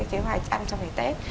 cái hoài ăn trong ngày tết